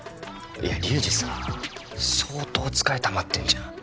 いや隆治さ相当疲れたまってんじゃん？